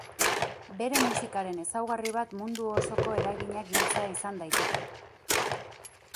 Bere musikaren ezaugarri bat mundu osoko eraginak biltzea izan daiteke.